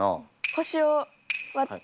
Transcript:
腰を割って。